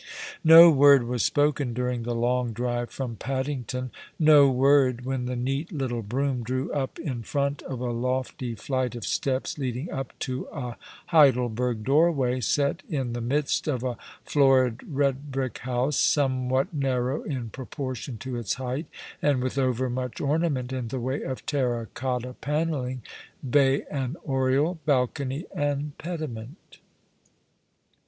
No word was spoken during the long drive from Padding ton ; no word when the neat little brougham drew up lq 1 90 All along the River » front of a lofty flight of steps leading up to a Heidelberg doorway, set in the midst of a florid red brick house, some what narrow in proportion to its height, and with oyer much ornament in the way of terra cotta panelling, bay and oriel, balcony and pediment.